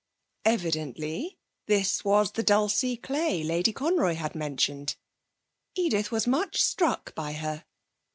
Evidently this was the Dulcie Clay Lady Conroy had mentioned. Edith was much struck by her.